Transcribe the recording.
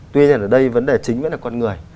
tuy nhiên ở đây vấn đề chính vẫn là con người